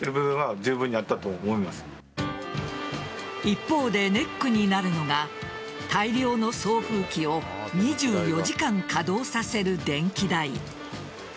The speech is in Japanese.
一方でネックになるのが大量の送風機を２４時間稼働させる電気代。